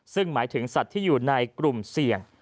ซึ่งหมายถึงสัตว์ที่อยู่ในกลุ่มเสี่ยง